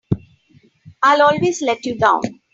I'll always let you down!